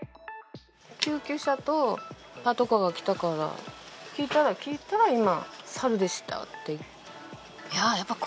救急車とパトカーが来たから、聞いたら、聞いたら今、サルでしたって。